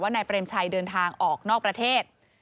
นายเปรมชัยเดินทางออกนอกประเทศ